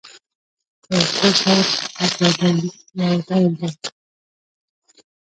توقع خط؛ د خط یو ډول دﺉ.